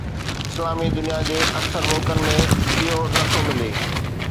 اسلامي دنيا جي اڪثر ملڪن ۾ اهو نه ٿو ملي.